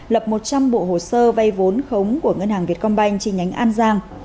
lập một trăm linh bộ hồ sơ vay vốn khống của ngân hàng việt công banh trên nhánh an giang